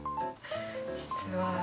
実は。